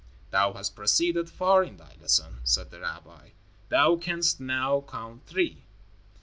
"Thou hast proceeded far in thy lesson," said the rabbi. "Thou canst now count Three.